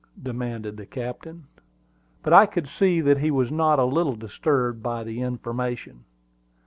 demanded the captain. But I could see that he was not a little disturbed by the information.